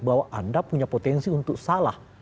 bahwa anda punya potensi untuk salah